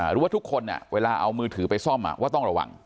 หรือว่าทุกคนเวลาเอามือถือไปซ่อมว่าต้องระวัง